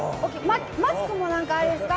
マスクも、あれですか。